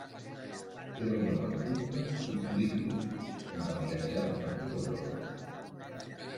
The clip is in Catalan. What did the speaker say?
Era un home culte i poliglot i va viatjar per tot Europa.